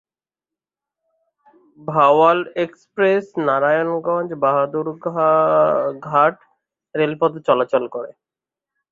Bhawal express Narayanganj-Bahadurabad ঘাট রেলপথে চলাচল করে।